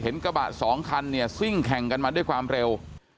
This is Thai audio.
กระบะสองคันเนี่ยซิ่งแข่งกันมาด้วยความเร็ว